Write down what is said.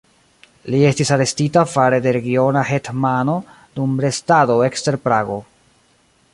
Li estis arestita fare de regiona hetmano dum restado ekster Prago.